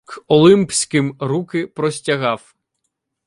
К олимпським руки простягав.